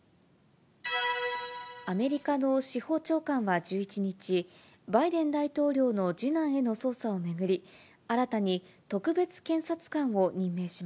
アメリカの司法長官は１１日、バイデン大統領の次男への捜査を巡り、新たに特別検察官を任命し